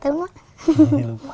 terakhir ketemu ayah umur berapa